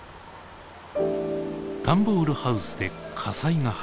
ダンボールハウスで火災が発生。